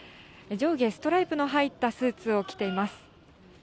上下ストライプの入ったスーツを着ています。